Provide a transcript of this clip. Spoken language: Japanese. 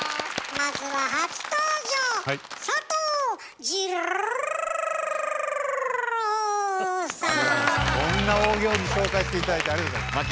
まずはそんな大仰に紹介して頂いてありがとうございます。